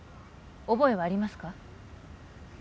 覚えはありますか？